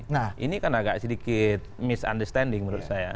nah ini kan agak sedikit misunderstanding menurut saya